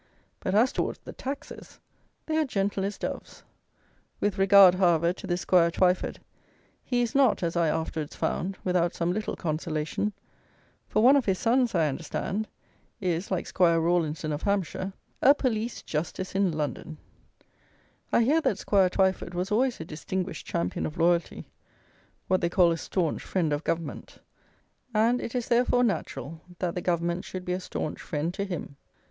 But, as towards the taxers, they are gentle as doves. With regard, however, to this Squire Twyford, he is not, as I afterwards found, without some little consolation; for one of his sons, I understand, is, like squire Rawlinson of Hampshire, a police justice in London! I hear that Squire Twyford was always a distinguished champion of loyalty; what they call a staunch friend of Government; and it is therefore natural that the Government should be a staunch friend to him.